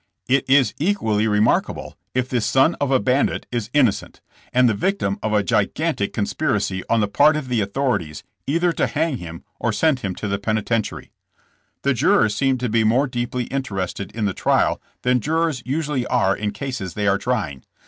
It is equally remarkable, if this son of a bandit is innocent, and the victim of a gigan tic conspiracy on the part of the authorities either to hang him or send him to the penitentiary. *'The jurors seem to be more deeply interested in the trial than jurors usually are in cases they are trying.